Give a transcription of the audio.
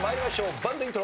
バンドイントロ。